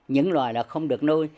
những loài là không được nuôi